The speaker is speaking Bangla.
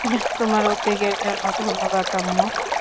তোমার উদ্বেগের জন্য ধন্যবাদ, আম্মু।